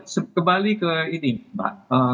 sebalik ke ini mbak